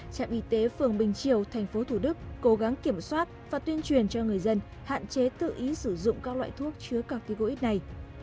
trạm y tế phường bình triểu thành phố thủ đức cố gắng kiểm soát và tuyên truyền cho người dân hạn chế tự ý sử dụng các loại thuốc chứa corticoid này